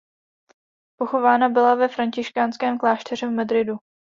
Pochována byla ve františkánském klášteře v Madridu.